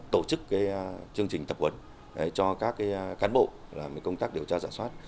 tổ chức chương trình tập huấn cho các cán bộ làm công tác điều tra giả soát